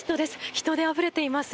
人であふれています。